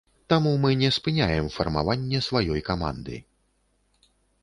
Таму мы не спыняем фармаванне сваёй каманды.